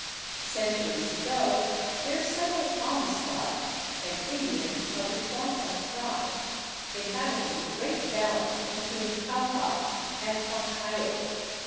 Centuries ago there settled on the spot an Indian of the Huanca tribe, inhabiting the great valley between Jauja and Huancayo.